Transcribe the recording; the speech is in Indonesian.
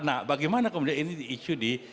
nah bagaimana kemudian ini isu di